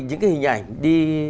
những cái hình ảnh đi